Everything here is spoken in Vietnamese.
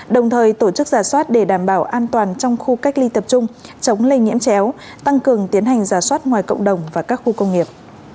đồng thời tổ chức giả soát để đảm bảo an toàn trong khu cách ly tập trung chống lây nhiễm chéo tăng cường tiến hành giả soát ngoài cộng đồng và các khu công nghiệp